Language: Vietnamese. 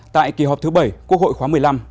tại kỳ họp thứ bảy quốc hội khóa một mươi năm